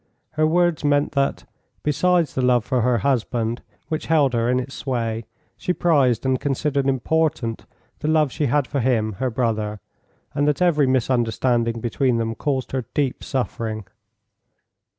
Her words meant that, besides the love for her husband which held her in its sway, she prized and considered important the love she had for him, her brother, and that every misunderstanding between them caused her deep suffering.